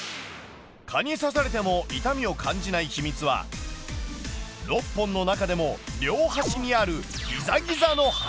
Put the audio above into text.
蚊に刺されても痛みを感じない秘密は６本の中でも両端にあるギザギザの針。